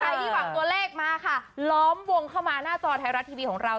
ที่หวังตัวเลขมาค่ะล้อมวงเข้ามาหน้าจอไทยรัฐทีวีของเรา